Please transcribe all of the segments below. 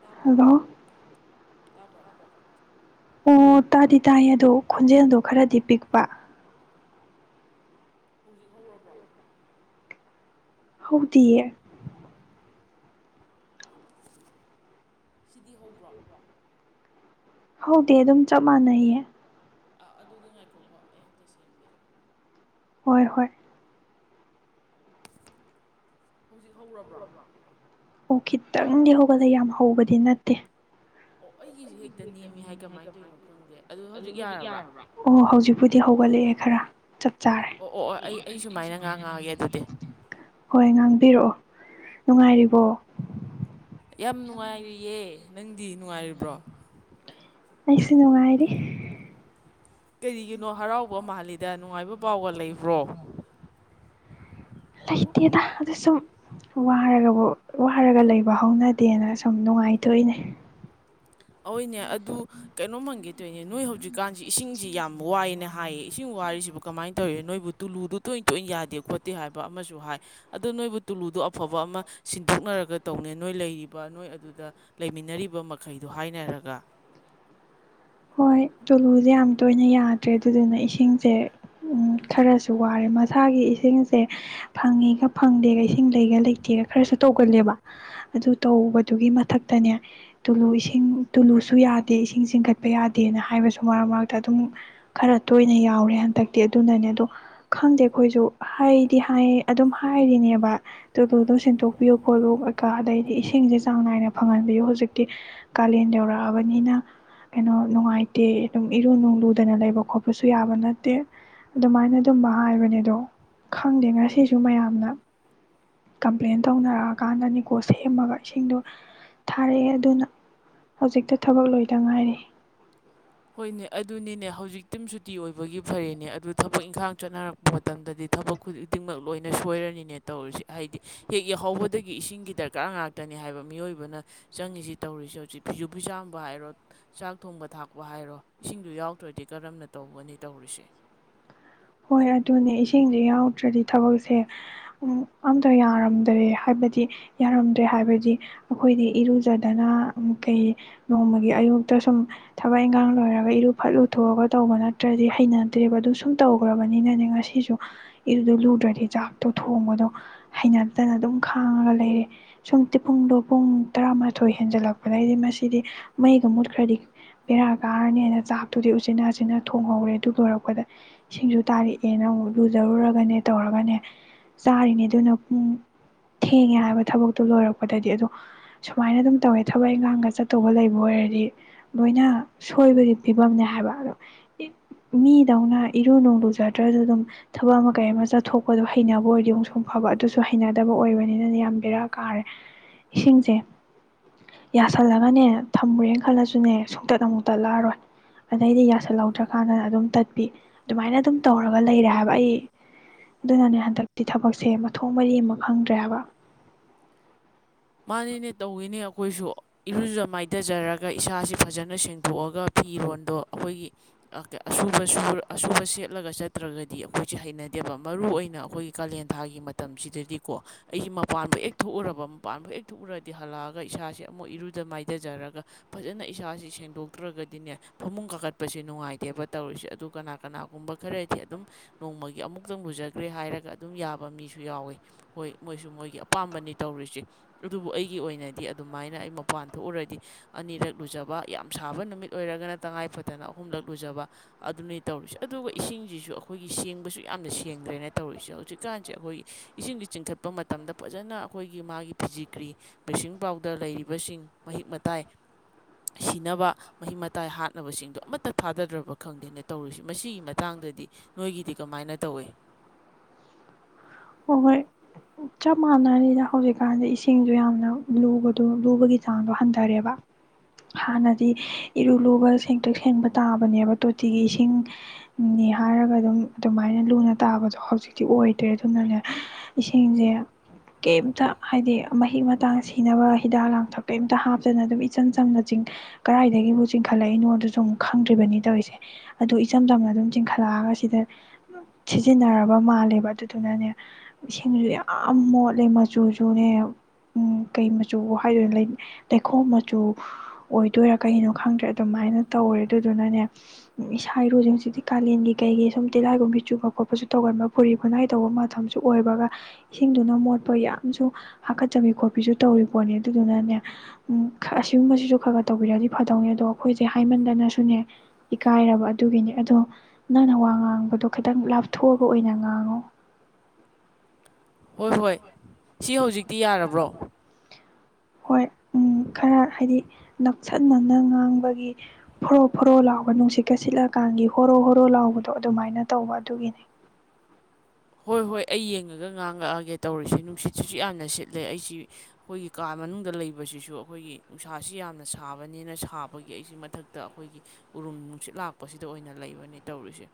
ꯇꯥꯕ꯭ꯔꯣ ꯍꯂꯣ ꯇꯥꯕ꯭ꯔꯣ ꯑꯣ ꯇꯥꯗꯤ ꯇꯥꯏ ꯑꯗꯣ ꯈꯣꯟꯖꯦꯜꯗꯣ ꯈꯔꯗꯤ ꯄꯤꯛꯄ ꯍꯧꯖꯤꯛ ꯍꯧꯔꯕ꯭ꯔꯣ ꯍꯧꯗꯤꯦ ꯁꯤꯗꯤ ꯍꯧꯕ꯭ꯔꯣ ꯍꯧꯗꯤꯦ ꯑꯗꯨꯝ ꯆꯞ ꯃꯥꯟꯅꯩꯌꯦ ꯑ ꯑꯗꯨꯗꯤ ꯉꯥꯏꯈꯣꯀꯣ ꯑꯩ ꯑꯝꯇ ꯁꯦꯝꯒꯦ ꯍꯣꯏ ꯍꯣꯏ ꯍꯧꯖꯤꯛ ꯍꯧꯔꯕ꯭ꯔꯥ ꯑꯣ ꯈꯤꯇꯪꯗꯤ ꯍꯧꯒꯠꯂ ꯌꯥꯝ ꯍꯧꯕꯗꯤ ꯅꯠꯇꯦ ꯑꯣ ꯑꯩꯒꯤꯁꯦ ꯍꯦꯛꯇ ꯅꯦꯝꯃꯤ ꯍꯥꯏ ꯀꯃꯥꯏꯅ ꯇꯧꯔꯤꯅꯣ ꯈꯪꯗꯒꯦ ꯑꯗꯨ ꯍꯧꯖꯤꯛ ꯌꯥꯔꯕ꯭ꯔꯥ ꯑꯣ ꯍꯧꯖꯤꯛꯄꯨꯗꯤ ꯍꯧꯒꯠꯂꯛꯑꯦ ꯈꯔ ꯆꯠ ꯑꯣ ꯑꯣ ꯑꯣ ꯑꯩ ꯑꯩ ꯁꯨꯃꯥꯏꯅ ꯉꯥ ꯉꯥꯡꯒꯦ ꯑꯗꯨꯗꯤ ꯍꯣꯏ ꯉꯥꯡꯕꯤꯔꯛꯑꯣ ꯅꯨꯡꯉꯥꯏꯔꯤꯕꯣ ꯌꯥꯝ ꯅꯨꯡꯉꯥꯏꯔꯤꯌꯦ ꯅꯪꯗꯤ ꯅꯨꯡꯉꯥꯏꯔꯤꯕ꯭ꯔꯣ ꯑꯁ ꯅꯨꯅꯨꯡꯉꯥꯏꯔꯤꯦ ꯀꯔꯤꯒꯤꯅꯣ ꯍꯔꯥꯎꯕ ꯃꯥꯜꯂꯤꯗ ꯅꯨꯡꯉꯥꯏꯕ ꯄꯥꯎꯒ ꯂꯩꯕ꯭ꯔꯣ ꯂꯩꯇꯦꯗ ꯑꯗꯨ ꯁꯨꯝ ꯋꯥꯔꯒꯕꯨ ꯋꯥꯔꯒ ꯂꯩꯕ ꯍꯧꯅꯗꯦꯅ ꯁꯨꯝ ꯅꯨꯡꯉꯥꯏꯊꯣꯛꯏꯅꯦ ꯍꯅꯦ ꯑꯗꯨ ꯀꯩꯅꯣ ꯃꯪꯒꯦ ꯇꯣꯏꯅꯦ ꯅꯣꯏ ꯍꯧꯖꯤꯛ ꯀꯥꯟꯁꯤ ꯏꯁꯤꯡꯁꯤ ꯌꯥꯝ ꯋꯥꯏꯅ ꯍꯥꯏꯌꯦ ꯏꯁꯤꯡ ꯋꯥꯔꯤꯔꯤꯁꯤꯕꯨ ꯀꯃꯥꯏꯅ ꯇꯧꯏ ꯅꯣꯏꯕꯨ ꯇꯨꯂꯨꯗꯨꯣ ꯇꯣꯏ ꯇꯣꯏꯅ ꯌꯥꯗꯦ ꯈꯣꯠꯇꯦ ꯍꯥꯏꯕ ꯑꯃꯁꯨ ꯍꯥꯏ ꯑꯗꯣ ꯅꯣꯏꯕꯨ ꯇꯨꯂꯨꯗꯣ ꯑꯐꯕ ꯑꯃ ꯁꯤꯟꯗꯣꯛꯅꯔꯒ ꯇꯧꯅꯤ ꯅꯣꯏ ꯂꯩꯔꯤꯕ ꯅꯣꯏ ꯑꯗꯨꯗ ꯂꯩꯃꯤꯟꯅꯔꯤꯕ ꯃꯈꯩ ꯑꯗꯨ ꯍꯥꯏꯅꯔꯒ ꯍꯣꯏ ꯇꯨꯂꯨꯁꯦ ꯌꯥꯝ ꯇꯣꯏꯅ ꯌꯥꯗ꯭ꯔꯦ ꯑꯗꯨꯗꯨꯅ ꯏꯁꯤꯡꯁꯦ ꯈꯔꯁꯨ ꯋꯥꯔꯦ ꯃꯁꯥꯒꯤ ꯏꯁꯤꯡꯁꯦ ꯐꯪꯉꯤꯒ ꯐꯪꯗꯦꯒ ꯏꯁꯤꯡ ꯂꯩꯒ ꯂꯩꯇꯦꯒ ꯈꯔꯁꯨ ꯇꯧꯒꯜꯂꯦꯕ ꯑꯗꯨ ꯇꯧꯕꯗꯨꯒꯤ ꯃꯊꯛꯇꯅꯦ ꯇꯨꯂꯨ ꯏꯁꯤꯡ ꯇꯨꯂꯨꯁꯨ ꯌꯥꯗꯦ ꯏꯁꯤꯡ ꯆꯤꯡꯈꯠ ꯌꯥꯗꯦꯅ ꯍꯥꯏꯕꯁꯨ ꯃꯔꯛ ꯃꯔꯛꯇ ꯑꯗꯨꯝ ꯈꯔ ꯇꯣꯏꯅ ꯌꯥꯎꯔꯦ ꯍꯟꯗꯛꯇꯤ ꯑꯗꯨꯅꯅꯦ ꯑꯗꯣ ꯈꯪꯗꯦ ꯑꯩꯈꯣꯏꯁꯨ ꯍꯥꯏꯗꯤ ꯍꯥꯏ ꯑꯗꯨꯝ ꯍꯥꯏꯔꯤꯅꯦꯕ ꯑꯗꯨꯗ ꯑꯗꯨꯝ ꯁꯦꯡꯇꯣꯛꯄꯤꯌꯨ ꯈꯣꯠꯂꯨ ꯀꯩꯀ ꯑꯗꯩꯗꯤ ꯏꯁꯤꯡꯁꯦ ꯆꯥꯡ ꯅꯥꯏꯅ ꯐꯪꯍꯟꯕꯤꯌꯨ ꯍꯧꯖꯤꯛꯇꯤ ꯀꯥꯂꯦꯟ ꯌꯧꯔꯛꯑꯕꯅꯤꯅ ꯀꯩꯅꯣ ꯅꯨꯡꯉꯥꯏꯇꯦ ꯑꯗꯨꯝ ꯏꯔꯨ ꯅꯨꯡ ꯂꯨꯗꯅ ꯂꯩꯕ ꯈꯣꯠꯄꯁꯨ ꯌꯥꯕ ꯅꯠꯇꯦ ꯑꯗꯨꯃꯥꯏꯅ ꯑꯗꯨꯝꯕ ꯍꯥꯏꯕꯅꯦ ꯑꯗꯣ ꯈꯪꯗꯦ ꯉꯁꯤꯁꯨ ꯃꯌꯥꯝꯅ ꯀꯝꯄ꯭ꯂꯦꯟ ꯇꯧꯅꯔꯛꯑꯀꯥꯟꯗꯅꯤꯀꯣ ꯁꯦꯝꯃꯒ ꯏꯁꯤꯡꯗꯣ ꯊꯥꯔꯛꯑꯦ ꯑꯗꯨꯅ ꯍꯧꯖꯤꯛꯇ ꯊꯕꯛ ꯂꯣꯏꯗ ꯉꯥꯏꯔꯤ ꯍꯣꯏꯅꯦ ꯑꯗꯨꯅꯤꯅꯦ ꯍꯧꯖꯤꯛꯇꯤꯝ ꯁꯨꯇꯤ ꯑꯣꯏꯕꯒꯤ ꯐꯔꯤꯅꯦ ꯑꯗꯨ ꯊꯕꯛ ꯏꯪꯈꯥꯡ ꯆꯠꯅꯔꯛꯄ ꯃꯇꯝꯗꯗꯤ ꯊꯕꯛ ꯈꯨꯗꯤ ꯈꯨꯗꯤꯡꯃꯛ ꯂꯣꯏꯅ ꯁꯣꯏꯔꯅꯤꯅꯦ ꯇꯧꯔꯤꯁꯤ ꯍꯥꯏꯗꯤ ꯍꯦꯛ ꯌꯥꯍꯧꯕꯗꯒꯤ ꯏꯁꯤꯡꯒꯤ ꯗꯔꯀꯥꯔ ꯉꯥꯛꯇꯅꯤ ꯍꯥꯏꯕ ꯃꯤꯑꯣꯏꯕꯅ ꯆꯪꯉꯤꯁꯤ ꯇꯧꯔꯤꯁꯤ ꯍꯧꯖꯤꯛ ꯐꯤꯁꯨ ꯐꯤꯖꯥꯝꯕ ꯍꯥꯏꯔꯣ ꯆꯥꯛ ꯊꯣꯡꯕ ꯊꯥꯛꯄ ꯋꯥꯍ ꯍꯥꯏꯔꯣ ꯏꯁꯤꯡꯗ ꯌꯥꯎꯗ꯭ꯔꯣꯏꯗꯤ ꯀꯔꯝꯅ ꯇꯧꯒꯅꯤ ꯇꯧꯔꯤꯁꯦ ꯍꯣꯏ ꯑꯗꯨꯅꯦ ꯏꯁꯤꯡꯁꯦ ꯌꯥꯎꯗ꯭ꯔꯗꯤ ꯊꯕꯛꯁꯦ ꯑꯝꯇ ꯌꯥꯔꯝꯗ꯭ꯔꯦ ꯍꯥꯏꯕꯗꯤ ꯌꯥꯔꯝꯗ꯭ꯔꯦ ꯍꯥꯏꯕꯗꯤ ꯑꯩꯈꯣꯏꯗꯤ ꯏꯔꯨꯖꯗꯅ ꯀꯩ ꯅꯣꯡꯃꯒꯤ ꯑꯌꯨꯛꯇ ꯁꯨꯝ ꯊꯕꯛ ꯏꯟꯈꯥꯡ ꯂꯣꯏꯔꯒ ꯏꯔꯨ ꯐꯠꯂꯨꯊꯣꯛꯑꯒ ꯇꯧꯕ ꯅꯠꯇ꯭ꯔꯗꯤ ꯍꯩꯅꯗ꯭ꯔꯦꯕ ꯑꯗꯨ ꯁꯨꯝ ꯇꯧꯈ꯭ꯔꯕꯅꯤꯅꯅꯦ ꯉꯁꯤꯁꯨ ꯏꯗꯣ ꯂꯨꯗ꯭ꯔꯗꯤ ꯆꯥꯛꯇꯣ ꯊꯣꯡꯕꯗꯣ ꯍꯩꯅꯗꯅ ꯑꯗꯨꯝ ꯈꯥꯡꯉꯒ ꯂꯩꯔꯦ ꯁꯨꯝꯇꯤ ꯄꯨꯡꯗꯣ ꯄꯨꯡ ꯇꯔꯥꯃꯥꯊꯣꯏ ꯍꯦꯟꯖꯜꯂꯛꯄꯗꯒꯤꯩꯗꯤ ꯃꯁꯤꯗꯤ ꯃꯩꯒ ꯃꯨꯠꯈ꯭ꯔꯗꯤ ꯄꯦꯔꯥ ꯀꯥꯔꯅꯤꯅ ꯆꯥꯛꯇꯨꯗꯤ ꯎꯆꯤꯅꯥꯆꯤꯟꯅ ꯊꯣꯡꯍꯧꯔꯦ ꯑꯗꯨ ꯂꯣꯏꯔꯛꯄꯗ ꯏꯁꯤꯡꯁꯨ ꯇꯥꯔꯛꯑꯦꯅ ꯑꯃꯨꯛ ꯂꯨꯖꯔꯨꯔꯒꯅꯦ ꯇꯧꯔꯒꯅꯦ ꯆꯥꯔꯤꯅꯦ ꯑꯗꯨꯅ ꯄꯨꯡ ꯊꯦꯡꯉꯦ ꯍꯥꯏꯕ ꯊꯕꯛꯇꯣ ꯂꯣꯏꯔꯛꯄꯗꯗꯤ ꯑꯗꯣ ꯁꯨꯃꯥꯏꯅ ꯑꯗꯨꯝ ꯇꯧꯋꯦ ꯊꯕꯛ ꯏꯪꯈꯥꯡꯒ ꯆꯠꯇꯧꯕ ꯂꯩꯕ ꯑꯣꯏꯔꯗꯤ ꯂꯣꯏꯅ ꯁꯣꯏꯕꯒꯤ ꯐꯤꯕꯝꯅꯦ ꯍꯥꯏꯕ ꯑꯗꯣ ꯃꯤꯗꯧꯅ ꯏꯔꯨ ꯅꯅꯨꯡ ꯂꯨꯖꯗ꯭ꯔꯁꯨ ꯑꯗꯨꯝ ꯊꯕꯛ ꯑꯃ ꯀꯩ ꯑꯃ ꯆꯠꯊꯣꯛꯄꯗꯣ ꯍꯩꯅꯕ ꯑꯣꯏꯗꯤ ꯑꯃꯨꯛ ꯁꯨꯡ ꯐꯕ ꯑꯗꯨꯁꯨ ꯍꯩꯅꯗꯕ ꯑꯣꯏꯕꯅꯤꯅꯅ ꯌꯥꯝ ꯕꯦꯔꯥ ꯀꯥꯔꯦ ꯏꯁꯤꯡꯁꯦ ꯌꯥꯁꯜꯂꯒꯅꯦ ꯊꯝꯃꯨꯔꯦꯅ ꯈꯜꯂꯁꯨꯅꯦ ꯁꯨꯡꯇꯠ ꯑꯃꯨꯛ ꯇꯠꯂꯛꯑꯔꯣꯏ ꯑꯗꯩꯗꯤ ꯌꯥꯁꯜꯍꯧꯗ꯭ꯔꯀꯥꯟꯗꯅ ꯑꯗꯨꯝ ꯇꯠꯄꯤ ꯑꯗꯨꯃꯥꯏꯅ ꯑꯗꯨꯝ ꯇꯧꯔꯒ ꯂꯩꯔꯦ ꯍꯥꯏꯕ ꯑꯩ ꯑꯗꯨꯅꯅꯦ ꯍꯟꯗꯛꯇꯤ ꯊꯕꯛꯁꯦ ꯃꯊꯣꯡ ꯃꯔꯤ ꯑꯃ ꯈꯪꯗ꯭ꯔꯦ ꯍꯥꯏꯕ ꯃꯥꯅꯤꯅꯦ ꯇꯧꯋꯤꯅꯦ ꯑꯩꯈꯣꯏꯁꯨ ꯏꯔꯨꯖ ꯃꯥꯏꯊꯖꯔꯒ ꯏꯁꯥꯁꯦ ꯐꯖꯅ ꯁꯦꯡꯗꯣꯛꯑꯒ ꯐꯤꯔꯣꯜꯗꯣ ꯑꯩꯈꯣꯏꯒꯤꯕ ꯑꯁꯨꯕ ꯁꯦꯠꯂꯒ ꯆꯠꯇ꯭ꯔꯒꯗꯤ ꯑꯩꯈꯣꯏꯁꯦ ꯍꯩꯅꯗꯦꯕ ꯃꯔꯨ ꯑꯣꯏꯅ ꯑꯩꯈꯣꯏꯒꯤ ꯀꯥꯂꯦꯟ ꯊꯥꯒꯤ ꯃꯇꯝꯁꯤꯗꯗꯤꯀꯣ ꯑꯩꯒꯤ ꯃꯄꯥꯟꯗ ꯍꯦꯛ ꯊꯣꯛꯎꯔꯕ ꯑꯄꯥꯕꯨ ꯍꯦꯛ ꯊꯨꯎꯔꯗꯤ ꯍꯜꯂꯛꯑꯒ ꯏꯁꯥꯁꯦ ꯑꯃꯨꯛ ꯏꯔꯨꯗ ꯃꯥꯏꯊꯖꯔꯒ ꯐꯖꯅ ꯏꯁꯥꯁꯤ ꯁꯦꯡꯗꯣꯛꯇ꯭ꯔꯒꯗꯤꯅꯦ ꯐꯃꯨꯡ ꯀꯥꯀꯠꯄꯁꯦ ꯅꯨꯡꯉꯥꯏꯇꯦꯕ ꯇꯧꯔꯤꯁꯦ ꯑꯗꯨ ꯀꯅꯥ ꯀꯅꯥꯒꯨꯝꯕ ꯈꯔꯗꯤ ꯑꯗꯨꯝ ꯅꯣꯡꯃꯒꯤ ꯑꯃꯨꯛꯇꯪ ꯂꯨꯖꯈ꯭ꯔꯦ ꯍꯥꯏꯔꯒ ꯑꯗꯨꯝ ꯌꯥꯕ ꯃꯤꯁꯨ ꯌꯥꯎꯋꯤ ꯍꯣꯏ ꯃꯣꯏꯁꯨ ꯃꯣꯏꯒꯤ ꯑꯄꯥꯝꯕꯅꯤ ꯇꯧꯔꯤꯁꯦ ꯑꯗꯨꯕꯨ ꯑꯩꯒꯤ ꯑꯣꯏꯅꯗꯤ ꯑꯗꯨꯃꯥꯏꯅ ꯑꯩ ꯃꯄꯥꯟ ꯊꯣꯛꯎꯔꯗꯤ ꯑꯅꯤꯔꯛ ꯂꯨꯖꯕ ꯌꯥꯝ ꯁꯥꯕ ꯅꯨꯃꯤꯠ ꯑꯣꯏꯔꯒꯅ ꯇꯉꯥꯏ ꯐꯗꯅ ꯑꯍꯨꯝꯂꯛ ꯂꯨꯖꯕ ꯑꯗꯨꯅꯤ ꯇꯧꯔꯤꯁꯦ ꯑꯗꯨꯒ ꯏꯁꯤꯡꯁꯤꯁꯨ ꯑꯩꯈꯣꯏꯒꯤ ꯁꯦꯡꯕꯁꯨ ꯌꯥꯝꯅ ꯁꯦꯡꯗ꯭ꯔꯦꯅ ꯇꯧꯔꯤꯁꯦ ꯍꯧꯖꯤꯛꯀꯥꯟꯁꯦ ꯑꯩꯈꯣꯏꯒꯤ ꯏꯁꯤꯡꯁ ꯆꯤꯡꯈꯠꯄ ꯃꯇꯝꯗ ꯐꯖꯅ ꯑꯩꯈꯣꯏꯒꯤ ꯃꯥꯒꯤ ꯐꯤꯖꯤꯀ꯭ꯔꯤ ꯕ꯭ꯂꯤꯦꯁꯤꯡ ꯄꯥꯎꯗꯔ ꯂꯩꯔꯤꯕꯁꯤꯡ ꯃꯍꯤꯛ ꯃꯇꯥꯏ ꯁꯤꯅꯕ ꯃꯍꯤꯛ ꯃꯇꯥꯏ ꯍꯥꯠꯅꯕꯁꯤꯡꯗꯣ ꯑꯃꯠꯇ ꯊꯥꯗꯗ꯭ꯔꯕ ꯈꯪꯗꯦꯅ ꯇꯧꯔꯤꯁꯤꯦ ꯃꯁꯤꯒꯤ ꯃꯇꯥꯡꯗꯗꯤ ꯅꯣꯏꯒꯤꯗꯤ ꯀꯃꯥꯏꯅ ꯇꯧꯋꯤ ꯣꯏ ꯆꯞ ꯃꯥꯟꯅꯔꯤꯅ ꯍꯧꯖꯤꯛꯀꯥꯟꯗꯤ ꯏꯁꯤꯡꯁꯨ ꯌꯥꯝꯅ ꯂꯨꯕꯗꯣ ꯂꯨꯕꯒꯤ ꯆꯥꯡꯗꯣ ꯍꯟꯊꯔꯦꯕ ꯍꯥꯟꯅꯗꯤ ꯏꯔꯨ ꯂꯨꯕ ꯁꯦꯡꯛꯇꯣꯛ ꯁꯦꯡꯕ ꯇꯥꯕꯅꯦꯕ ꯇꯣꯇꯤꯒꯤ ꯏꯁꯤꯡꯅꯤ ꯍꯥꯏꯔꯒ ꯑꯗꯨꯝ ꯑꯗꯨꯃꯥꯏꯅ ꯂꯨꯅ ꯇꯥꯕꯗꯣ ꯍꯧꯖꯤꯛꯇꯤ ꯑꯣꯏꯗ꯭ꯔꯦ ꯑꯗꯨꯅꯅꯦ ꯏꯁꯤꯡꯁꯦ ꯀꯩꯝꯇ ꯍꯥꯏꯗꯤ ꯃꯍꯤꯛ ꯃꯇꯥꯡ ꯁꯤꯅꯕ ꯍꯤꯗꯥꯛ ꯂꯥꯡꯊꯛ ꯀꯩꯝꯇ ꯍꯥꯞꯇꯅ ꯑꯗꯨꯝ ꯏꯆꯝ ꯆꯝꯅ ꯀꯗꯥꯏꯗꯒꯤꯕꯨ ꯆꯤꯡꯈꯠꯂꯛꯏꯅꯣꯗꯁꯨ ꯑꯃ ꯈꯪꯗ꯭ꯔꯤꯕꯅꯤ ꯇꯧꯔꯤꯁꯦ ꯑꯗꯨ ꯏꯆꯝ ꯆꯝꯅ ꯑꯗꯨꯝ ꯆꯤꯡꯈꯠꯂꯛꯑꯒ ꯁꯤꯗ ꯁꯤꯖꯤꯟꯅꯔꯕ ꯃꯥꯜꯂꯦꯕ ꯑꯗꯨꯗꯨꯅꯅꯦ ꯏꯁꯤꯡꯁꯨ ꯌꯥꯝ ꯃꯣꯠꯂꯦ ꯃꯆꯨꯁꯨꯅꯦ ꯀꯩ ꯃꯆꯨ ꯍꯥꯏꯗꯣꯏꯅ ꯂꯩꯈꯣꯝ ꯃꯆꯨ ꯑꯣꯏꯗꯣꯏꯔꯥ ꯀꯩꯅꯣ ꯈꯪꯗ꯭ꯔꯦ ꯑꯗꯨꯃꯥꯏꯅ ꯇꯧꯋꯦ ꯑꯗꯨꯗꯨꯅꯅꯦ ꯏꯁꯥ ꯏꯔꯨꯁꯦ ꯍꯧꯖꯤꯛꯇꯤ ꯀꯥꯂꯦꯟꯒꯤ ꯀꯩꯒꯤ ꯁꯨꯝ ꯇꯤꯍꯥꯏꯒꯨꯝꯕꯤ ꯆꯨꯕ ꯈꯣꯠꯄꯁꯨ ꯇꯧꯒꯟꯕ ꯐꯨꯔꯤ ꯐ ꯈꯨꯅꯥꯏ ꯇꯧꯕ ꯃꯇꯝꯁꯨ ꯁ ꯑꯣꯏꯕꯒ ꯏꯁꯤꯡꯗꯨꯅ ꯃꯣꯠꯄ ꯌꯥꯝꯁꯨ ꯍꯥꯀꯠꯆꯕꯤ ꯈꯣꯠꯄꯤꯁꯨ ꯇꯧꯔꯤ ꯄꯣꯠꯅꯦ ꯑꯗꯨꯗꯨꯅꯅꯦ ꯑꯁꯤꯒꯨꯝꯕꯁꯤꯁꯨ ꯈꯔ ꯈꯔ ꯇꯧꯕꯤꯔꯗꯤ ꯐꯗꯧꯅꯤ ꯑꯗꯣ ꯑꯩꯈꯣꯏꯁꯦ ꯍꯥꯏꯃꯟꯗꯅꯁꯨꯅꯦ ꯏꯀꯥꯏꯔꯕ ꯑꯗꯨꯒꯤꯅꯦ ꯑꯗꯣ ꯅꯪꯅ ꯋꯥ ꯉꯥꯡꯕꯗꯣ ꯈꯤꯇꯪ ꯂꯥꯞꯊꯣꯛꯑꯒ ꯑꯣꯏꯅ ꯉꯥꯡꯉꯣ ꯍꯣꯏ ꯍꯣꯏ ꯁꯤ ꯍꯧꯖꯤꯛ ꯇꯤ ꯌꯥꯔꯕ꯭ꯔꯣ ꯍꯣꯏ ꯎ ꯈꯔ ꯍꯥꯏꯗꯤ ꯅꯛꯁꯟꯅꯅ ꯉꯥꯡꯕꯒꯤ ꯐꯣꯔꯣꯛ ꯐꯣꯔꯣꯛ ꯂꯥꯎꯕ ꯅꯨꯡꯁꯤꯠꯀ ꯁꯤꯠꯂꯀꯥꯟꯒꯤ ꯍꯣꯔꯣ ꯍꯣꯔꯣ ꯂꯥꯎꯕꯗꯣ ꯑꯗꯨꯃꯥꯏꯅ ꯇꯧꯕ ꯑꯗꯨꯒꯤꯅꯤ ꯍꯣꯏ ꯍꯣꯏ ꯑꯩ ꯌꯦꯡꯉꯒ ꯉꯥꯡꯉꯛꯑꯒꯦ ꯇꯧꯔꯤꯁꯦ ꯅꯨꯡꯁꯤꯠꯁꯤꯁꯨ ꯌꯥꯝꯅ ꯁꯤꯠꯂꯦ ꯑꯩꯁꯤ ꯑꯩꯈꯣꯏꯒꯤ ꯀꯥ ꯃꯅꯨꯡꯗ ꯂꯩꯕꯁꯤꯁꯨ ꯑꯩꯈꯣꯏꯒꯤ ꯅꯨꯡꯁꯥꯁꯤ ꯌꯥꯝꯅ ꯁꯥꯕꯅꯦꯅ ꯁꯥꯕꯒꯤ ꯑꯩꯁꯤ ꯃꯊꯛꯇ ꯑꯩꯈꯣꯏꯒꯤ ꯎꯔꯨꯝ ꯅꯨꯡꯁꯤꯠ ꯂꯥꯛꯄꯁꯤꯗ ꯑꯣꯏꯅ ꯂꯩꯕꯅꯦ ꯇꯧꯔꯤꯁꯦ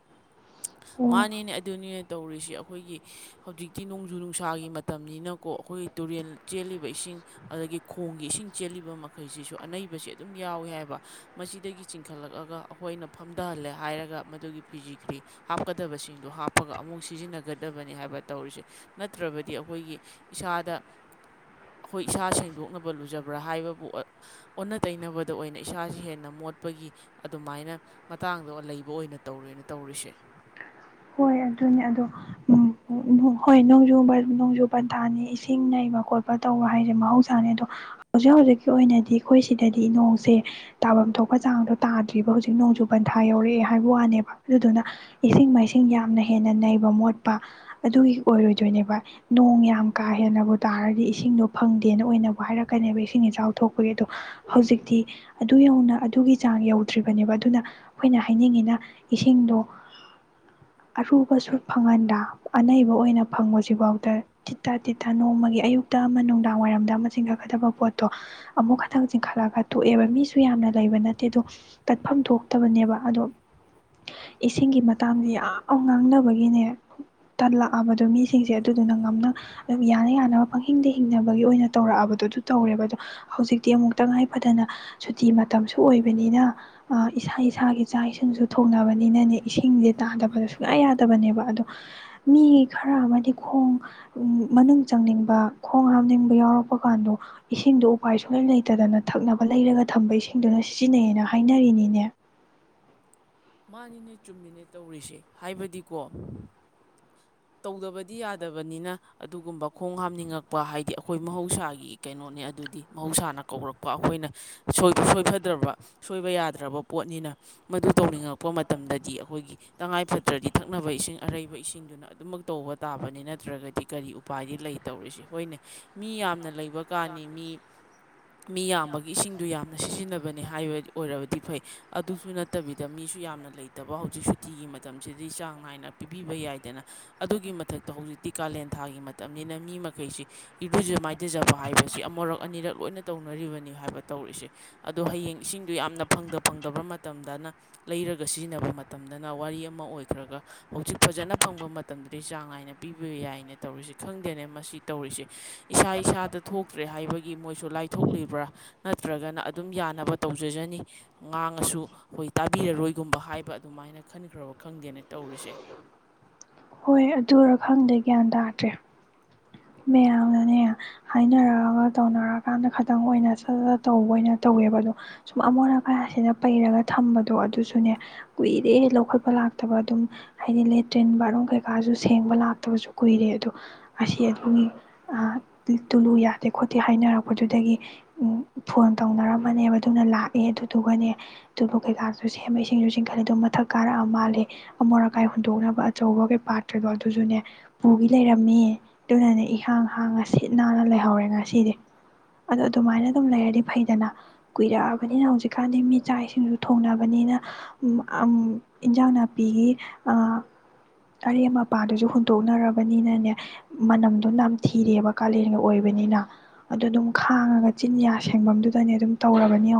ꯑꯣ ꯃꯥꯅꯦꯅꯦ ꯑꯗꯨꯅꯤꯅꯦ ꯇꯧꯔꯤꯁ ꯑꯩꯈꯣꯏꯒꯤ ꯍꯧꯖꯤꯛꯇꯤ ꯅꯣꯡꯖꯨ ꯅꯨꯡꯁꯥꯒꯤ ꯃꯇꯝꯅꯤꯅꯀꯣ ꯑꯩꯈꯣꯏꯒꯤ ꯇꯨꯔꯦꯜ ꯆꯦꯜꯂꯤꯕ ꯏꯁꯤꯡ ꯑꯗꯒꯤ ꯈꯣꯡꯒꯤ ꯏꯁꯤꯡ ꯆꯦꯜꯂꯤꯕ ꯃꯈꯩꯁꯤꯁꯨ ꯑꯅꯩꯕꯁꯤ ꯑꯗꯨꯝ ꯌꯥꯎꯏ ꯍꯥꯏꯕ ꯃꯁꯤꯗꯒꯤ ꯆꯤꯡꯈꯠꯂꯛꯑꯒ ꯑꯩꯈꯣꯏꯅ ꯐꯝꯊꯍꯜꯂꯦ ꯍꯥꯏꯔꯒ ꯃꯗꯨꯒꯤ ꯐꯤꯖꯤꯒ꯭ꯔꯤ ꯍꯥꯞꯀꯗꯕꯁꯤꯡꯗꯣ ꯍꯥꯞꯄꯒ ꯑꯃꯨꯛ ꯁꯤꯖꯤꯟꯅꯒ ꯐꯒꯗꯕꯅꯤ ꯍꯥꯏꯕ ꯇꯧꯔꯤꯁꯦ ꯅꯠꯇ꯭ꯔꯕꯗꯤ ꯑꯩꯈꯣꯏꯒꯤ ꯏꯁꯥꯗ ꯑꯩꯈꯣꯏ ꯏꯁꯥ ꯁꯦꯡꯗꯣꯛꯅꯕ ꯂꯨꯖꯕ꯭ꯔꯥ ꯍꯥꯏꯕꯕꯨ ꯑꯣꯟꯅ ꯇꯩꯅꯕꯗ ꯑꯣꯏꯅ ꯏꯁꯥꯥꯁ ꯍꯦꯟꯅ ꯃꯣꯠꯄꯒꯤ ꯑꯗꯨꯃꯥꯏꯅ ꯃꯇꯥꯡꯗꯣ ꯂꯩꯕ ꯑꯣꯏꯅ ꯇꯧꯔꯦꯅ ꯇꯧꯔꯤꯁꯦ ꯍꯣꯏ ꯑꯗꯨꯅꯦ ꯑꯗꯣ ꯎꯝ ꯍꯣꯏ ꯅꯣꯡꯖꯨ ꯅꯣꯡꯖꯨ ꯄꯟꯊꯥꯅꯤ ꯏꯁꯤꯡ ꯅꯩꯕ ꯈꯣꯠꯄ ꯇꯧꯕ ꯍꯥꯏꯁꯦ ꯃꯍꯧꯁꯥꯅꯦ ꯑꯗꯣ ꯍꯧꯖꯤꯛ ꯍꯧꯖꯤꯛꯀꯤ ꯑꯣꯏꯅꯗꯤ ꯑꯩꯈꯣꯏ ꯁꯤꯗꯗꯤ ꯅꯣꯡꯁꯦ ꯇꯥꯐꯝ ꯊꯣꯛꯄ ꯆꯥꯡꯗꯣ ꯇꯥꯗ꯭ꯔꯤꯕ ꯍꯧꯖꯤꯛ ꯅꯣꯡꯖꯨ ꯄꯟꯊꯥ ꯌꯧꯔꯛꯑꯦ ꯍꯥꯏꯕ ꯋꯥꯅꯦꯕ ꯑꯗꯨꯗꯨꯅ ꯏꯁꯤꯡ ꯃꯩ ꯏꯁꯤꯡ ꯌꯥꯝꯅ ꯍꯦꯟꯅ ꯅꯩꯕ ꯃꯣꯠꯄ ꯑꯗꯨꯒꯤ ꯑꯣꯏꯔꯣꯏꯗꯣꯏꯅꯦꯕ ꯅꯣꯡ ꯌꯥꯝ ꯀꯥ ꯍꯦꯟꯅꯕ ꯇꯥꯔꯗꯤ ꯏꯁꯤꯡꯗꯣ ꯐꯪꯗꯦꯅ ꯑꯣꯏꯅꯕꯨ ꯍꯥꯏꯔꯛꯀꯅꯦꯕ ꯏꯁꯤꯡ ꯏꯆꯥꯎ ꯊꯣꯛꯄꯒꯤ ꯑꯗꯣ ꯍꯧꯖꯤꯛꯇꯤ ꯑꯗꯨ ꯌꯧꯅ ꯑꯗꯨꯒꯤ ꯆꯥꯡ ꯌꯧꯗ꯭ꯔꯤꯕꯅꯦꯕ ꯑꯗꯨꯅ ꯑꯩꯈꯣꯏꯅ ꯍꯥꯏꯅꯤꯡꯉꯤꯅ ꯏꯁꯤꯡꯗꯣ ꯑꯔꯨꯕꯁꯨ ꯐꯪꯍꯟꯗ ꯑꯅꯩꯕ ꯑꯣꯏꯅ ꯐꯪꯕꯁꯤꯐꯥꯎꯗ ꯇꯤꯠꯇ ꯇꯤꯠꯇ ꯅꯣꯡꯃꯒꯤ ꯑꯌꯨꯛꯇ ꯑꯃ ꯅꯨꯡꯗꯥꯡ ꯋꯥꯏꯔꯝꯗ ꯑꯃ ꯆꯤꯡꯈꯠꯀꯗꯕ ꯄꯣꯠꯇꯣ ꯑꯃꯨꯛ ꯈꯛꯇꯪ ꯆꯤꯡꯈꯠꯂꯒ ꯇꯣꯛꯑꯦꯕ ꯃꯤꯁꯨ ꯌꯥꯝꯅ ꯂꯩꯕ ꯅꯠꯇꯦ ꯑꯗꯣ ꯇꯠꯐꯝ ꯊꯣꯛꯇꯕꯅꯦꯕ ꯑꯗꯣ ꯏꯁꯤꯡꯒꯤ ꯃꯇꯥꯡꯁꯦ ꯌꯥꯝ ꯉꯥꯡꯅꯕꯒꯤꯅꯦ ꯇꯜꯂꯛꯑꯕꯗꯣ ꯃꯤꯁꯤꯡꯁꯦ ꯑꯗꯨꯗꯨꯅ ꯉꯝꯅ ꯑꯗꯨꯝ ꯌꯥꯅ ꯌꯥꯅꯕ ꯄꯪꯍꯤꯡꯗ ꯍꯤꯡꯅꯕꯒꯤ ꯑꯣꯏꯅ ꯇꯧꯔꯛꯑꯕꯗꯣ ꯑꯗꯨ ꯇꯧꯔꯦꯕ ꯑꯗꯣ ꯍꯧꯖꯤꯛꯇꯤ ꯑꯃꯨꯛ ꯇꯉꯥꯏ ꯐꯗꯅ ꯁꯨꯇꯤ ꯃꯇꯝꯁꯨ ꯑꯣꯏꯕꯅꯤꯅ ꯏꯁꯥ ꯏꯁꯥꯒꯤ ꯆꯥꯛ ꯏꯁꯤꯡꯁꯨ ꯊꯣꯡꯅꯕꯅꯤꯅꯅꯦ ꯏꯁꯤꯡꯁꯦ ꯇꯥꯗꯕꯗꯁꯨ ꯁꯨꯡꯌꯥ ꯌꯥꯗꯕꯅꯦꯕ ꯑꯗꯣ ꯃꯤ ꯈꯔ ꯑꯃꯗꯤ ꯈꯣꯡ ꯃꯅꯨꯡ ꯆꯪꯅꯤꯡꯕ ꯈꯣꯡ ꯍꯥꯝꯅꯤꯡꯕ ꯌꯥꯎꯔꯛꯄ ꯀꯥꯟꯗꯣ ꯏꯁꯤꯡꯗꯣ ꯎꯄꯥꯏ ꯁꯨꯡꯂꯩ ꯂꯩꯇꯗꯅ ꯊꯛꯅꯕ ꯂꯩꯔꯒ ꯊꯝꯕ ꯏꯁꯤꯡꯗꯨꯅ ꯁꯤꯖꯤꯟꯅꯩꯌꯦꯅ ꯍꯥꯏꯅꯔꯤꯅꯤꯅꯦ ꯃꯥꯅꯤꯅꯦ ꯆꯨꯝꯃꯤꯅꯦ ꯇꯧꯔꯤꯁꯦ ꯍꯥꯏꯕꯗꯤꯀꯣ ꯇꯧꯗꯕꯗꯤ ꯌꯥꯗꯕꯅꯤꯅ ꯑꯗꯨꯒꯨꯝꯕ ꯈꯣꯡ ꯍꯥꯝꯅꯤꯡꯉꯛꯄ ꯍꯥꯏꯗꯤ ꯑꯩꯈꯣꯏ ꯃꯍꯧꯁꯥꯒꯤ ꯀꯩꯅꯣꯅꯦ ꯑꯗꯨꯗꯤ ꯃꯍꯧꯁꯥꯅ ꯀꯧꯔꯛꯄ ꯑꯩꯈꯣꯏꯅ ꯁꯣꯏ ꯁꯣꯏ ꯐꯗ꯭ꯔꯕ ꯁꯣꯏꯕ ꯌꯥꯗ꯭ꯔꯕ ꯄꯣꯠꯅꯤꯅ ꯃꯗꯨ ꯇꯧꯅꯤꯡꯉꯛꯄ ꯄꯄ ꯃꯇꯝꯗꯗꯤ ꯑꯩꯈꯣꯏꯒꯤ ꯇꯉꯥꯏ ꯐꯗ꯭ꯔꯗꯤ ꯊꯛꯅꯕ ꯏꯁꯤꯡ ꯑꯔꯩꯕ ꯏꯁꯤꯡꯗꯨꯅ ꯑꯗꯨꯝꯃꯛ ꯇꯧꯕ ꯇꯥꯕꯅꯤ ꯅꯠꯇ꯭ꯔꯒꯗꯤ ꯀꯔꯤ ꯎꯄꯥꯏꯗꯤ ꯂꯩꯇꯧꯔꯤꯁ ꯦ ꯍꯣꯏꯅꯦ ꯃꯤ ꯌꯥꯝꯅ ꯂꯩꯕ ꯀꯥꯟꯅꯤ ꯃꯤ ꯃꯤ ꯌꯥꯝꯕꯒꯤ ꯏꯁꯤꯡꯗꯨ ꯌꯥꯝꯅ ꯁꯤꯖꯤꯟꯅꯕꯅꯤ ꯍꯥꯏꯕ ꯑꯣꯏꯔꯕꯗꯤ ꯐꯩ ꯑꯗꯨꯁꯨ ꯅꯠꯇꯕꯤꯗ ꯃꯤꯁꯨ ꯌꯥꯝ ꯌꯥꯝꯅ ꯂꯩꯇꯕ ꯍꯧꯖꯤꯛ ꯁꯨꯇꯤꯒꯤ ꯃꯇꯝꯁꯤꯗꯩ ꯆꯥꯡ ꯅꯥꯏꯅ ꯄꯤꯕꯤꯕ ꯌꯥꯏꯗꯅ ꯑꯗꯨꯒꯤ ꯃꯊꯛꯇ ꯍꯧꯖꯤꯛꯇꯤ ꯀꯥꯂꯦꯟ ꯊꯥꯒꯤ ꯃꯇꯝꯅꯤꯅ ꯃꯤ ꯃꯈꯩꯁꯤ ꯏꯔꯨꯖ ꯃꯥꯏꯊꯖꯕ ꯍꯥꯏꯕꯁꯤ ꯑꯃꯨꯔꯛ ꯑꯅꯤꯔꯛ ꯂꯣꯏꯅ ꯇꯧꯅꯔꯤꯕꯅꯤ ꯍꯥꯏꯕ ꯇꯧꯔꯤꯁꯦ ꯑꯗꯣ ꯍꯌꯦꯡ ꯏꯁꯤꯡꯗꯣ ꯌꯥꯝꯅ ꯐꯪꯗ ꯐꯪꯗꯕ ꯃꯇꯝꯗꯅ ꯂꯩꯔꯒ ꯁꯤꯖꯤꯟꯅꯕ ꯃꯇꯝꯗꯅ ꯋꯥꯔꯤ ꯑꯃ ꯑꯣꯏꯈ꯭ꯔꯒ ꯍꯧꯖꯤꯛ ꯐꯖꯅ ꯐꯪꯕ ꯃꯇꯝꯗꯗꯤ ꯆꯥꯡ ꯅꯥꯏꯅ ꯄꯤꯕ ꯌꯥꯏꯅ ꯇꯧꯔꯤꯁꯦ ꯈꯪꯗꯦꯅꯦ ꯃꯁꯤ ꯇꯧꯔꯤꯁꯦ ꯏꯁꯥ ꯏꯁꯥꯗ ꯊꯣꯛꯇ꯭ꯔꯦ ꯍꯥꯏꯕꯒꯤ ꯃꯣꯏꯁꯨ ꯂꯥꯏꯊꯣꯛꯂꯤꯕ꯭ꯔꯥ ꯅꯠꯇ꯭ꯔꯒꯅ ꯑꯗꯨꯝ ꯌꯥꯅꯕ ꯇꯧꯖꯖꯅꯤ ꯉꯥꯡꯉꯁꯨ ꯑꯩꯈꯣꯏ ꯇꯥꯕꯤꯔꯔꯣꯏ ꯑꯗꯨꯒꯨꯝꯕ ꯍꯥꯏꯕ ꯑꯗꯨꯃꯥꯏꯅ ꯈꯟꯈ꯭ꯔꯕ ꯈꯪꯗꯦꯅꯦ ꯇꯧꯔꯤꯁꯦ ꯍꯣꯏ ꯑꯗꯨꯔ ꯈꯪꯗꯦ ꯒ꯭ꯌꯥꯟ ꯇꯥꯗ꯭ꯔꯦ ꯃꯌꯥꯝꯅꯅꯦ ꯍꯥꯏꯅꯔꯛꯑꯒ ꯇꯧꯅꯔꯛꯑꯀꯥꯟꯗ ꯈꯤꯇꯪ ꯑꯣꯏꯅ ꯆꯠ ꯇꯧꯕ ꯑꯣꯏꯅ ꯇꯧꯋꯦꯕ ꯑꯗꯣ ꯁꯨꯝ ꯑꯃꯣꯠ ꯑꯀꯥꯏꯁꯤꯅ ꯄꯩꯔꯒ ꯊꯝꯕꯗꯣ ꯑꯗꯨꯁꯨꯅꯦ ꯀꯨꯏꯔꯦ ꯂꯧꯈꯠꯄ ꯂꯥꯛꯇꯕ ꯑꯗꯨꯝ ꯍꯥꯏꯗꯤ ꯂꯦꯇ꯭ꯔꯤꯟ ꯕꯥꯠꯔꯨꯝ ꯀꯩꯀꯥꯁꯨ ꯁꯦꯡꯕ ꯂꯥꯛꯇꯕꯁꯨ ꯀꯨꯏꯔꯦ ꯑꯗꯣ ꯑꯁꯤ ꯒꯤ ꯇꯨꯂꯨ ꯌꯥꯗꯦ ꯈꯣꯠꯇꯦ ꯍꯥꯏꯅꯔꯛꯄꯗꯨꯗꯒꯤ ꯐꯣꯟ ꯇꯧꯅꯔꯃꯅꯦꯕ ꯑꯗꯨꯅ ꯂꯥꯛꯑꯦ ꯑꯗꯨꯗꯨꯒꯅꯦ ꯇꯨꯂꯨ ꯀꯩꯀꯥꯁꯨ ꯁꯦꯝꯕ ꯏꯁꯤꯡꯁꯨ ꯆꯤꯡꯈꯠꯂꯦ ꯑꯗꯨꯝ ꯃꯊꯛ ꯀꯥꯔꯛꯑ ꯃꯥꯜꯂꯦ ꯑꯃꯣꯠ ꯑꯀꯥꯏ ꯍꯨꯟꯗꯣꯛꯅꯕ ꯑꯆꯧꯕ ꯀꯩ ꯄꯥꯇ꯭ꯔꯗꯣ ꯑꯗꯨꯁꯨꯅꯦ ꯄꯨꯒꯤ ꯂꯩꯔꯝꯃꯦ ꯑꯗꯨꯅꯅꯦ ꯏꯍꯥꯡ ꯍꯥꯡꯉ ꯁꯤꯠ ꯅꯥꯟꯅ ꯂꯩꯍꯧꯔꯦ ꯉꯁꯤꯗꯤ ꯑꯗꯣ ꯑꯗꯨꯃꯥꯏꯅ ꯑꯗꯨꯝ ꯂꯩꯔꯗꯤ ꯐꯩꯗꯅ ꯀꯨꯏꯔꯛꯑꯕꯅꯤꯅ ꯍꯧꯖꯤꯛꯀꯥꯟꯗꯤ ꯃꯤ ꯆꯥꯛ ꯏꯁꯤꯡꯁꯨ ꯊꯣꯡꯅꯕꯅꯤꯅ ꯏꯟꯖꯥꯡ ꯅꯥꯄꯤꯒꯤ ꯑꯔꯦꯝ ꯑꯄꯥꯗꯨꯁꯨ ꯍꯨꯟꯇꯣꯛꯅꯔꯕꯅꯤꯅꯅꯦ ꯃꯅꯝꯗꯣ ꯅꯝꯊꯤꯔꯦꯑꯕ ꯀꯥꯂꯦꯟꯒ ꯑꯣꯏꯕꯅꯤꯅ ꯑꯗꯨ ꯑꯗꯨꯝ ꯈꯥꯡꯉꯒ ꯆꯤꯟ ꯌꯥ ꯁꯦꯡꯕꯗꯨꯗꯅꯦ ꯑꯗꯨꯝ ꯇꯧꯔꯕꯅꯤ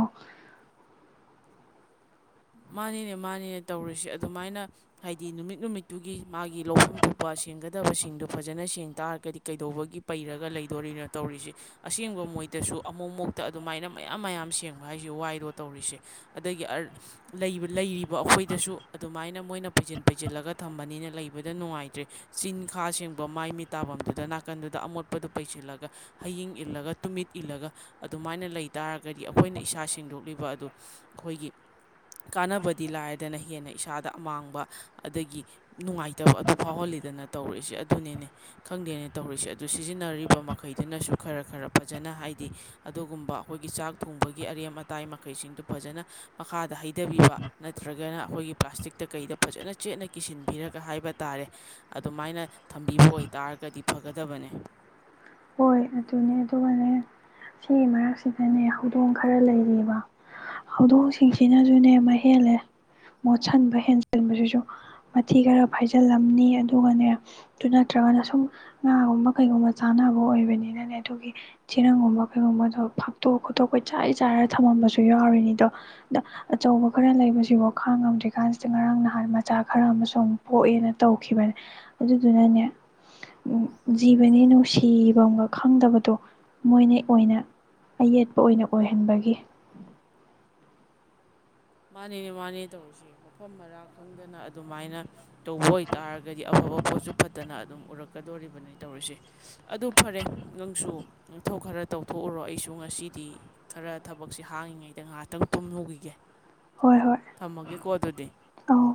ꯃꯥꯅꯤꯅꯦ ꯃꯥꯅꯤꯅꯦ ꯇꯧꯔꯤꯁꯦ ꯑꯗꯨꯃꯥꯏꯅ ꯍꯥꯏꯗꯤ ꯅꯨꯃꯤꯠ ꯅꯨꯃꯤꯠꯇꯨꯒꯤ ꯃꯥꯒꯤ ꯂꯧꯐꯝ ꯊꯣꯛꯄ ꯁꯦꯡꯒꯗꯕꯁꯤꯡ ꯑꯗꯨ ꯐꯖꯅ ꯁꯦꯡ ꯇꯥꯔꯒꯗꯤ ꯀꯩꯗꯧꯕꯒꯤ ꯄꯩꯔꯒ ꯂꯩꯗꯣꯔꯤꯅꯣ ꯇꯧꯔꯤꯁꯦ ꯑꯁꯦꯡꯕ ꯃꯣꯏꯗꯁꯨ ꯑꯃꯨꯛ ꯃꯨꯛꯇ ꯑꯗꯨꯃꯥꯏꯅ ꯃꯌꯥꯝ ꯃꯌꯥꯝ ꯁꯦꯡꯕ ꯍꯥꯏꯁꯦ ꯋꯥꯏꯗꯣ ꯇꯧꯔꯤꯁꯦ ꯑꯗꯒꯤ ꯂꯩꯔꯤꯕ ꯑꯩꯈꯣꯏꯗꯁꯨ ꯑꯗꯨꯃꯥꯏꯅ ꯃꯣꯏꯅ ꯄꯩꯁꯤꯟ ꯄꯩꯁꯤꯜꯂꯒ ꯊꯝꯕꯅꯤꯅ ꯂꯩꯕꯗ ꯅꯨꯡꯉꯥꯏꯇ꯭ꯔꯦ ꯆꯤꯟꯈꯥ ꯁꯦꯡꯕ ꯃꯥꯏ ꯃꯤꯠ ꯇꯥꯐꯝꯗꯨꯗ ꯅꯥꯀꯟꯗꯨꯗ ꯑꯃꯣꯠꯄꯗꯨ ꯄꯩꯁꯤꯜꯂꯒ ꯍꯌꯤꯡ ꯏꯜꯂꯒ ꯇꯨꯃꯤꯠ ꯏꯜꯂꯒ ꯑꯗꯨꯃꯥꯏꯅ ꯂꯩ ꯇꯥꯔꯒꯗꯤ ꯑꯩꯈꯣꯏꯅ ꯏꯁꯥ ꯁꯦꯡꯗꯣꯛꯂꯤꯕ ꯑꯗꯨ ꯑꯩꯈꯣꯏꯒꯤ ꯀꯥꯟꯅꯕꯗꯤ ꯂꯥꯏꯗꯅ ꯍꯦꯟꯅ ꯏꯁꯥꯗ ꯑꯃꯥꯡꯕ ꯑꯗꯒꯤ ꯅꯨꯡꯉꯥꯏꯇꯕ ꯑꯗꯨ ꯐꯥꯎꯍꯜꯂꯤꯗꯅ ꯇꯧꯔꯛꯏꯁꯦ ꯑꯗꯨꯅꯤꯅꯦ ꯈꯪꯗꯦꯅꯦ ꯇꯧꯔꯤꯛꯔꯤꯁꯦ ꯑꯗꯨ ꯁꯤꯖꯤꯟꯅꯔꯤꯕ ꯃꯈꯩꯗꯨꯅꯁꯨ ꯈꯔ ꯈꯔ ꯐꯖꯅ ꯍꯥꯏꯗꯤ ꯑꯗꯨꯒꯨꯝꯕ ꯑꯩꯈꯣꯏꯒꯤ ꯆꯥꯛ ꯊꯣꯡꯕꯒꯤ ꯑꯔꯦꯝ ꯑꯇꯥꯏ ꯃꯈꯩꯁꯤꯡꯗꯨ ꯐꯖꯅ ꯃꯈꯥꯗ ꯍꯩ ꯊꯩꯊꯕꯤꯕ ꯅꯠꯇ꯭ꯔꯒꯅ ꯑꯩꯈꯣꯏꯒꯤ ꯄ꯭ꯂꯥꯁꯇꯤꯛꯇ ꯀꯩꯗ ꯐꯖꯅ ꯆꯦꯠꯅ ꯀꯤꯁꯤꯟꯕꯤꯔꯒ ꯍꯥꯏꯕ ꯇꯥꯔꯦ ꯑꯗꯨꯃꯥꯏꯅ ꯊꯝꯕꯤꯕ ꯑꯣꯏ ꯇꯥꯔꯒꯗꯤ ꯐꯒꯗꯕꯅꯦ ꯍꯣꯏ ꯑꯗꯨꯅꯦ ꯑꯗꯨꯒꯅꯦ ꯁꯤꯒꯤ ꯃꯔꯛꯁꯤꯗꯅꯦ ꯍꯧꯗꯣꯡ ꯈꯔ ꯂꯩꯔꯤꯕ ꯍꯧꯗꯣꯡꯁꯤꯡꯁꯤꯅꯁꯨꯅꯦ ꯃꯍ ꯍꯦꯜꯂꯦ ꯃꯣꯠꯁꯤꯟꯕ ꯍꯦꯟꯖꯟꯕꯁꯤꯁꯨ ꯃꯊꯤ ꯈꯔ ꯐꯥꯏꯖꯤꯜꯂꯝꯅꯤ ꯑꯗꯨꯒꯅꯦ ꯑꯗꯨ ꯅꯠꯇ꯭ꯔꯒꯅ ꯁꯨꯝ ꯉꯥꯒꯨꯝꯕ ꯀꯩꯒꯨꯝꯕ ꯆꯥꯅꯕ ꯑꯣꯏꯕꯅꯤꯅꯅꯦ ꯑꯗꯨꯒꯤ ꯆꯦꯔꯪꯒꯨꯝꯕ ꯀꯩꯒꯨꯝꯕꯗꯣ ꯐꯥꯛꯇꯣꯛ ꯈꯣꯠꯇꯣꯛꯄ ꯆꯥꯏ ꯆꯥꯏꯔ ꯊꯝꯃꯝꯕꯁꯨ ꯌꯥꯎꯔꯤꯅꯤꯗꯣ ꯑꯗ ꯑꯆꯧꯕ ꯈꯔ ꯂꯩꯕꯁꯤ ꯋꯥ ꯈꯥꯡ ꯉꯝꯗ꯭ꯔꯤꯀꯥꯟꯁꯤꯗ ꯉꯔꯥꯡ ꯅꯍꯥꯟ ꯃꯆꯥ ꯈꯔ ꯑꯃꯁꯨ ꯑꯃꯨꯛ ꯄꯣꯛꯑꯦꯅ ꯇꯧꯈꯤꯕꯅꯦ ꯑꯗꯨꯗꯨꯅꯅꯦ ꯖꯤꯕꯅꯤ ꯅꯨꯡꯁꯤ ꯀꯤꯕꯝꯒ ꯈꯪꯗꯕꯗꯣ ꯃꯣꯏꯅ ꯑꯣꯏꯅ ꯑꯌꯦꯠꯄ ꯑꯣꯏꯅ ꯑꯣꯏꯍꯟꯕꯒꯤ ꯃꯥꯅꯦꯅꯦ ꯃꯥꯅꯦ ꯇꯧꯔꯤꯁꯦ ꯃꯐꯝ ꯃꯔꯥ ꯈꯪꯗꯅ ꯑꯗꯨꯃꯥꯏꯅ ꯇꯧꯕ ꯑꯣꯏꯇꯥꯔꯒꯗꯤ ꯑꯐꯕ ꯄꯣꯠꯁꯨ ꯐꯠꯇꯅ ꯑꯗꯨꯝ ꯎꯔꯛꯀꯗꯣꯔꯤꯕꯅꯤ ꯇꯧꯔꯤꯁꯦ ꯑꯗꯨ ꯐꯔꯦ ꯅꯪꯁꯨ ꯅꯪꯊꯧ ꯈꯔ ꯇꯧꯊꯣꯛꯎꯔꯣ ꯑꯩꯁꯨ ꯉꯁꯤꯗꯤ ꯈꯔ ꯊꯕꯛꯁꯦ ꯍꯥꯡꯉꯤꯉꯩꯗ ꯉꯥꯏꯍꯥꯛꯇꯪ ꯇꯨꯝꯍꯧꯈꯤꯒꯦ ꯍꯣꯏ ꯍꯣꯏ ꯀꯠꯇꯗꯤ ꯑꯧ